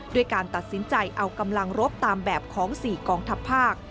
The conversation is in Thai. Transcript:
ด้วยการตัดสินใจเอากำลังรบตามแบบของ๔กองทัพภาค